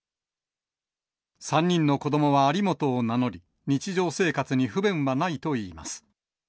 ３人の子どもは有本を名乗り、日常生活に不便はないといいます。